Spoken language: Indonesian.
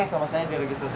sama saya diregistrasi